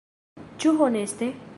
Ĉu honeste?